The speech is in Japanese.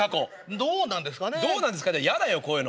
どうなんですかってやだよこういうの。